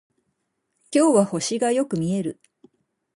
今日は星がよく見える